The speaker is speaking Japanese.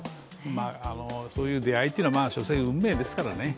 そういう出会いっていうのは所詮、運命ですからね。